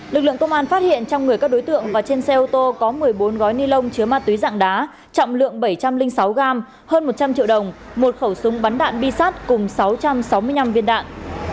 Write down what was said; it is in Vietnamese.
lực lượng công an phát hiện trong người các đối tượng và trên xe ô tô có một mươi bốn gói ni lông chứa ma túy dạng đá trọng lượng bảy trăm linh sáu gram hơn một trăm linh triệu đồng một khẩu súng bắn đạn bi sắt cùng sáu trăm sáu mươi năm viên đạn